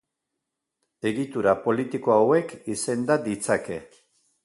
Egitura politiko hauek izenda ditzake.